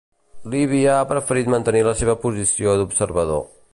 Líbia ha preferit mantenir la seva posició d'observador.